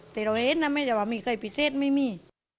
เป็นธรรมดาแต่เราเห็นนะไม่ใช่ว่ามีใครพิเศษไม่มี